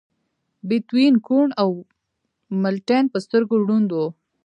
بیتووین کوڼ و او ملټن په سترګو ړوند و